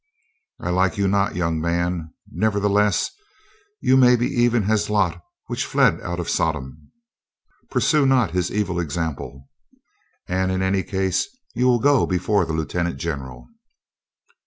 "I like you not, young man. Nevertheless, ye may be even as Lot which fled out of Sodom. Pur AN HONEST MAN 235 sue not his evil example. And in any case you will go before the lieutenant general."